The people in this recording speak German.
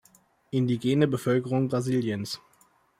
Indigene Bevölkerung Brasiliens